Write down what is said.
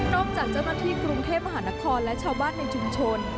จากเจ้าหน้าที่กรุงเทพมหานครและชาวบ้านในชุมชน